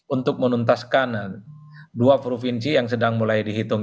untuk menuntaskan dua provinsi yang sedang mulai dihitung